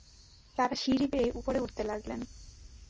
তারা সিঁড়ি বেয়ে উপরে উঠতে লাগলেন।